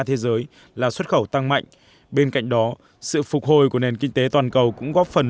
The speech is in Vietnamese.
thế giới là xuất khẩu tăng mạnh bên cạnh đó sự phục hồi của nền kinh tế toàn cầu cũng góp phần